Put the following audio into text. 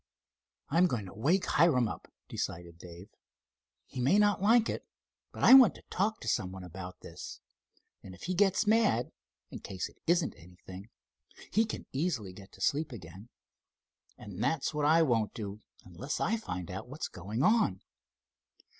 "I'm going to wake Hiram up," decided Dave. "He may not like it, but I want to talk to some one about this, and if he gets mad, in case it isn't anything, he can easily get to sleep again. And that's what I won't do unless I find out what's going on."